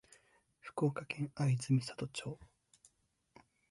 福島県会津美里町